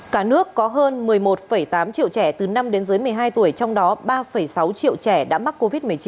cả nước có hơn một mươi một tám triệu trẻ từ năm đến dưới một mươi hai tuổi trong đó ba sáu triệu trẻ đã mắc covid một mươi chín